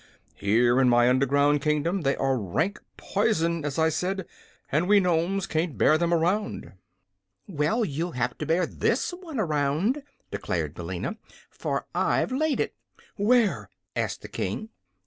Here, in my underground kingdom, they are rank poison, as I said, and we Nomes can't bear them around." "Well, you'll have to bear this one around," declared Billina; "for I've laid it." "Where?" asked the King.